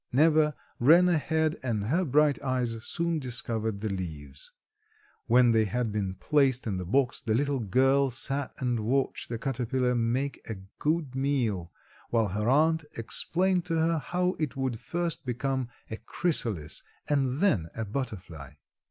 Neva ran ahead and her bright eyes soon discovered the leaves. When they had been placed in the box the little girl sat and watched the caterpillar make a good meal, while her aunt explained to her how it would first become a chrysalis and then a butterfly.